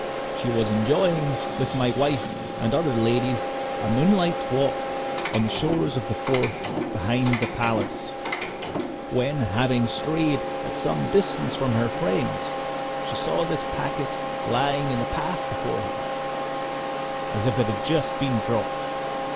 She was enjoying with my wife and other ladies a moonlight walk on the shores of the Forth behind the palace, when, having strayed at some distance from her friends, she saw this packet lying in the path before her, as if it had just been dropped.